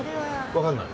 わかんない？